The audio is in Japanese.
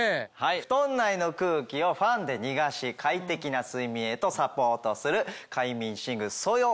布団内の空気をファンで逃がし快適な睡眠へとサポートする。